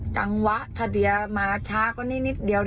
จังหวะถ้าเดียมาช้ากว่านี้นิดเดียว